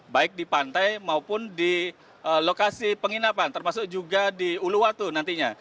baik di pantai maupun di lokasi penginapan termasuk juga di uluwatu nantinya